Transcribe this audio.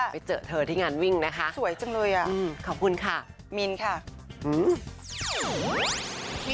ไปเจอเธอที่งานวิ่งนะคะสวยจังเลยอ่ะขอบคุณค่ะมินค่ะ